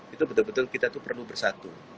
itu betul betul kita itu perlu bersatu